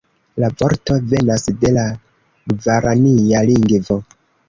La vorto venas de la gvarania lingvo.